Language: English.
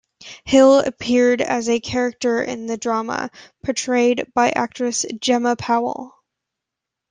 Hill appeared as a character in the drama, portrayed by actress Jemma Powell.